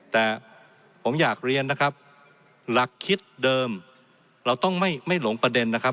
แต่ผมอยากเรียนนะครับหลักคิดเดิมเราต้องไม่หลงประเด็นนะครับ